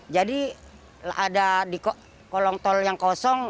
jadi ada di kolong tol yang kosong